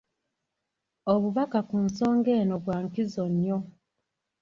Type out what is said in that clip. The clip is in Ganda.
Obubaka ku nsonga eno bwa nkizo nnyo.